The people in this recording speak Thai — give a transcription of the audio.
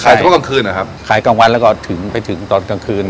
ขายทั้งตอนกลางคืนหรอครับขายกลางวันแล้วก็ถึงไปถึงตอนกลางคืน